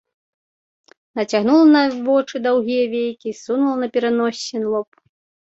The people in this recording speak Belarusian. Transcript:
Нацягнула на вочы даўгія вейкі, ссунула на пераноссе лоб.